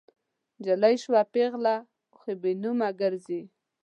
نجلۍ شوه پیغله خو بې نومه ګرزي